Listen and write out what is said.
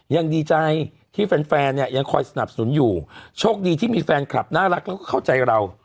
ยังดีใจที่แฟนแฟนเนี่ยยังคอยสนับสนุนอยู่โชคดีที่มีแฟนคลับน่ารักแล้วก็เข้าใจเรา